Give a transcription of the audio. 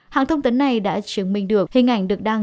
hãng thông tấn này đã chứng minh được hình ảnh được đăng